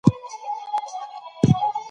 ستوري د هستوي امتزاج له امله منفجر کېږي.